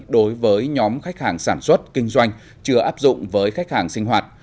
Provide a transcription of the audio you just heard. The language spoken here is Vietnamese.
đối với nhóm khách hàng sản xuất kinh doanh chưa áp dụng với khách hàng sinh hoạt